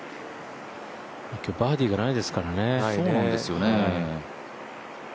今日、バーディーがないですからね。